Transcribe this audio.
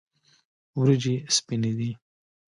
وریجې سپینې دي.